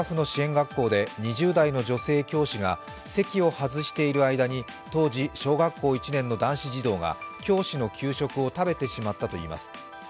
学校で２０代の女性教師が席を外している間に当時、小学校１年の男子児童が教師の給食を食べてしまったといいます。